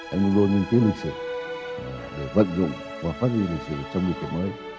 anh luôn tin lịch sử vận dụng và phát triển lịch sử trong lịch sử mới